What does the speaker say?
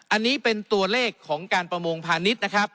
อันนี้เป็นตัวเลขของการประมงพาณิชย์นะครับ